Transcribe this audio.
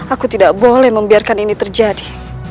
aku tidak boleh membiarkan ini terjadi